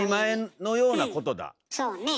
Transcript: そうねえ。